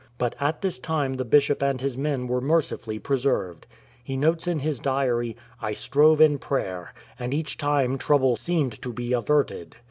But at this time the Bishop and his men were mercifully pre served. He notes in his diary, " I strove in prayer ; and each time trouble seemed to be averted."